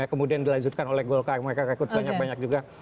kemudian dilanjutkan oleh golkar mereka rekrut banyak banyak juga